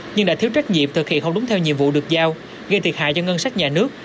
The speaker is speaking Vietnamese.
nhưng đã thiếu trách nhiệm thực hiện không đúng theo nhiệm vụ được giao gây thiệt hại cho ngân sách nhà nước